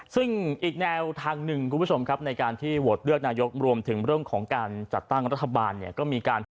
ซึ่งอีกแนวทางหนึ่งคุณผู้ชมครับในการที่โหวตเลือกนายกรวมถึงเรื่องของการจัดตั้งรัฐบาลเนี่ยก็มีการ